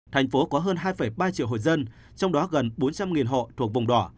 thành phố có hơn hai ba triệu hộ dân trong đó gần bốn trăm linh hộ thuộc vùng đỏ